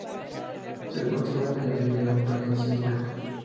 Se cultiva en la Valladolid, León, Palencia y Burgos.